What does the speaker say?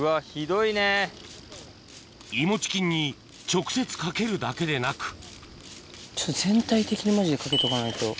いもち菌に直接かけるだけでなくちょっと全体的にマジでかけとかないと。